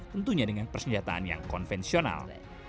tentunya dengan persenjataan yang konvensional